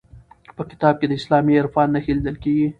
په کتاب کې د اسلامي عرفان نښې لیدل کیږي.